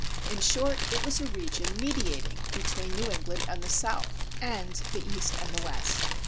In short, it was a region mediating between New England and the South, and the East and the West.